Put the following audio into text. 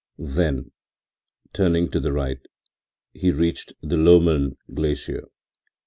Then, turning to the right, he reached the Loemmern glacier.